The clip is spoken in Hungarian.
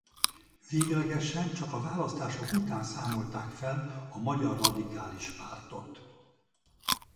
Véglegesen csak a választások után számolták fel a Magyar Radikális Pártot.